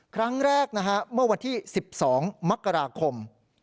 ครั้งแรกเมื่อวันที่๑๒มักราคม๒๕๖๒